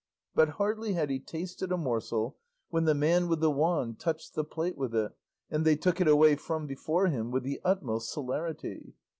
But hardly had he tasted a morsel when the man with the wand touched the plate with it, and they took it away from before him with the utmost celerity.